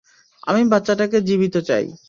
আমি বাচ্চাটাকে জীবিত চাই।